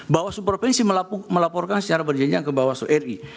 bawaslu provinsi melaporkan secara berjenjang ke bawaslu ri